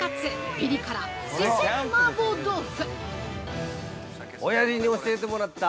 ピリ辛四川麻婆豆腐。